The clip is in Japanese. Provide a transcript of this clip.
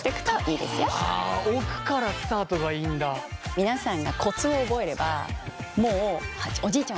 皆さんがコツを覚えればもうおじいちゃん